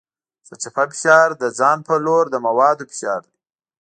سرچپه فشار د ځان په لور د موادو فشار دی.